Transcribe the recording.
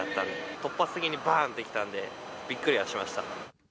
突発的にバンって来たんで、びっくりはしました。